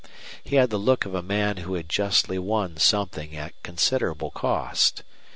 He had the look of a man who had justly won something at considerable cost.